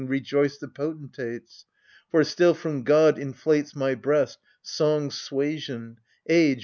Rejoiced the potentates : (For still, from God, inflates My breast, song suasion : age.